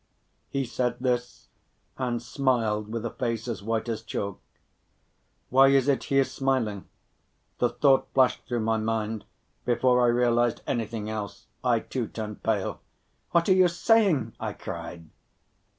He said this and smiled with a face as white as chalk. "Why is it he is smiling?" The thought flashed through my mind before I realized anything else. I too turned pale. "What are you saying?" I cried.